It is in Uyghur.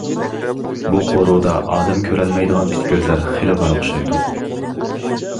بۇ قورۇدا ئادەم كۆرەلمەيدىغان پىت كۆزلەر خېلى بار ئوخشايدۇ.